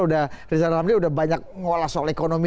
udah banyak ngulas soal ekonomi